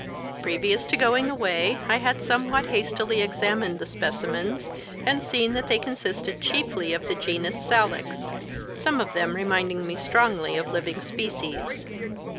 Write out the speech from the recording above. Previous to going away I had somewhat hastily examined the specimens and seen that they consisted chiefly of the genus Salix, some of them reminding me strongly of living species.